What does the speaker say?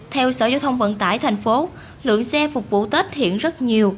theo sở giao thông vận tải tp hcm lượng xe phục vụ tết hiện rất nhiều